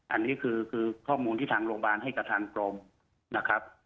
อันนี้คือข้อมูลที่ทางโรงพยาบาลให้กับทางกรมนะครับ